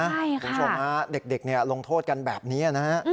คุณผู้ชมฮะเด็กลงโทษกันแบบนี้นะฮะ